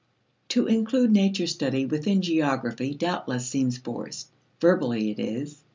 To include nature study within geography doubtless seems forced; verbally, it is.